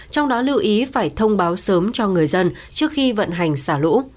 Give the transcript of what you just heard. trong đó lưu ý phải thông báo sớm cho người dân trước khi vận hành xả lũ